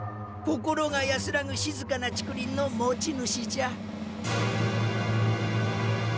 心が安らぐしずかな竹林の持ち主じゃ。